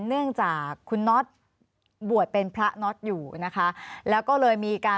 เนื่องจากคุณนอทบวชเป็นพระนอทอยู่นะคะ